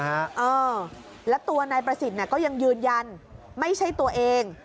เออแล้วตัวนายประสิทธิ์ก็ยังยืนยันไม่ใช่ตัวเอง